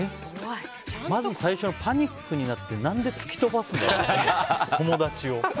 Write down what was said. まず最初のパニックになって何で突き飛ばすんだろう、友達を。